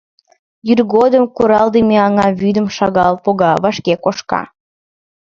Йӱр годым куралдыме аҥа вӱдым шагал пога, вашке кошка.